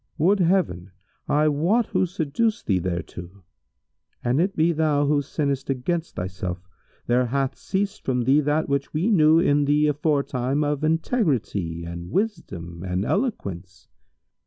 Would Heaven I wot who seduced thee thereto! An it be thou who sinnest against thyself, there hath ceased from thee that which we knew in thee aforetime of integrity and wisdom and eloquence.